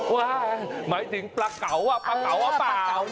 หมายถึงปลาเก๋าปลาเก๋าหรือเปล่า